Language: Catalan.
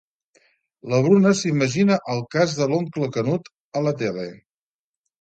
La Bruna s'imagina el cas de l'oncle Canut a la tele.